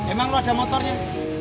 emang lo ada motornya